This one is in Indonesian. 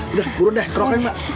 udah burun deh kerokokin mbak